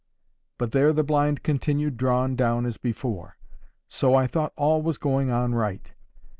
But there the blind continued drawn down as before. So I thought all was going on right.